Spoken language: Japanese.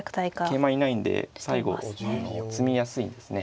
桂馬いないんで最後詰みやすいんですね。